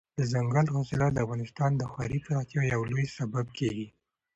دځنګل حاصلات د افغانستان د ښاري پراختیا یو لوی سبب کېږي.